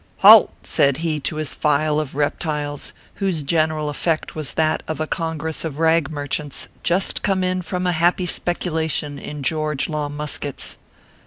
" Halt !" said he to his file of reptiles, whose gen eral effect was that of a congress of rag merchants just come in from a happy speculation in George Law muskets.